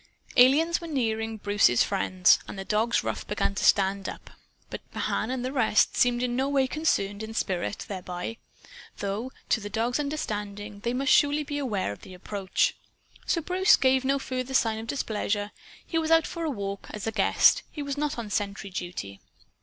Aliens were nearing Bruce's friends. And the dog's ruff began to stand up. But Mahan and the rest seemed in no way concerned in spirit thereby though, to the dog's understanding, they must surely be aware of the approach. So Bruce gave no further sign of displeasure. He was out for a walk, as a guest. He was not on sentry duty.